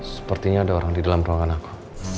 sepertinya ada orang di dalam ruangan aku